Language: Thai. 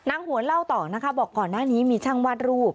หวนเล่าต่อนะคะบอกก่อนหน้านี้มีช่างวาดรูป